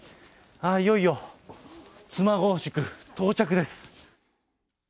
いよいよ、妻籠宿到着です。